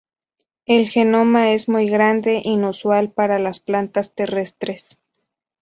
El genoma es muy grande, inusual para las plantas terrestres.